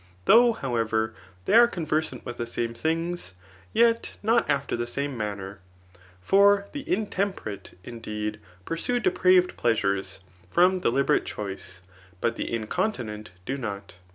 Though, however, they are conversant with the same things, yet not after the same manner ; for the intemperate, indeed, pursue depraved pleasures from deliberate choice, but the incontinent do not.